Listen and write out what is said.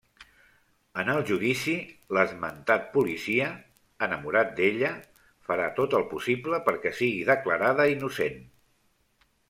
En el judici, l'esmentat policia, enamorat d'ella, farà tot el possible perquè sigui declarada innocent.